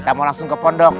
kita mau langsung ke pondok